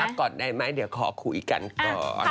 ก่อนได้ไหมเดี๋ยวขอคุยกันก่อน